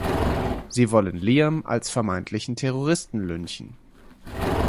Sie wollen Liam als vermeintlichen Terroristen lynchen.